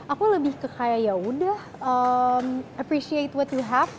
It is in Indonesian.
aku lebih ke kayak yaudah appreciate what you have